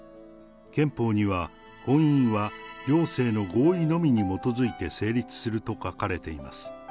憲法には、婚姻は両性の合意のみに基づいて成立すると書かれています。